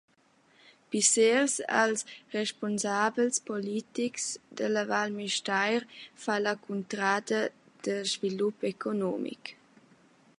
Pissers als respunsabels politics da la Val Müstair fa la cuntrada da svilup economic.